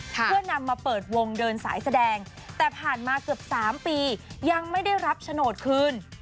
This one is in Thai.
เพื่อนำมาเปิดวงเดินสายแสดงแต่ผ่านมาเกือบ๓ปียังไม่ได้รับโฉนดคืน